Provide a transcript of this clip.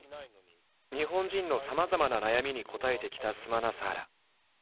日本人のさまざまな悩みに答えてきたスマナサーラ。